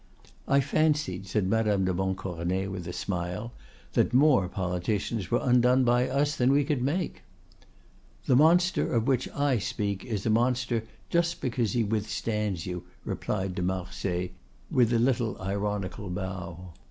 "I fancied," said Madame de Montcornet with a smile, "that more politicians were undone by us than we could make." "The monster of which I speak is a monster just because he withstands you," replied de Marsay, with a little ironical bow.